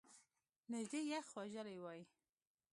نژدې یخ وژلی وای !